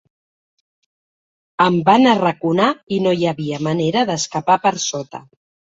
Em van arraconar, i no hi havia manera d'escapar per sota.